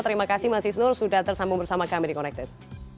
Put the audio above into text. terima kasih mas isnur sudah tersambung bersama kami di connected